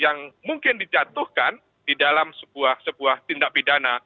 yang mungkin dijatuhkan di dalam sebuah tindak pidana